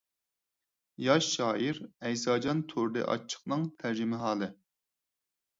ياش شائىر ئەيساجان تۇردى ئاچچىقنىڭ تەرجىمىھالى.